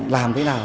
làm thế nào